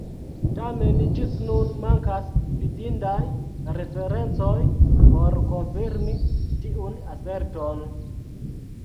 Tamen ĝis nun mankas fidindaj referencoj por konfirmi tiun aserton.